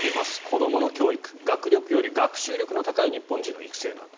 子どもの教育学力より学習力の高い日本人の育成。